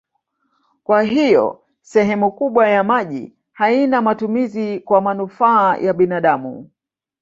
Kwa hiyo sehemu kubwa ya maji haina matumizi kwa manufaa ya binadamu.